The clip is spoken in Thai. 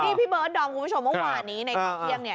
นี่พี่เมิ้นดอมคุณผู้ชมว่าวันนี้ในตอนเที่ยงนี่